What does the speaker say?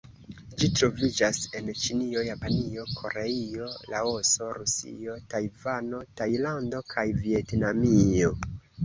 Ĝi troviĝas en Ĉinio, Japanio, Koreio, Laoso, Rusio, Tajvano, Tajlando kaj Vjetnamio.